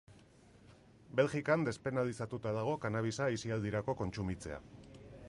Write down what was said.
Belgikan despenalizatuta dago kannabisa aisialdirako kontsumitzea.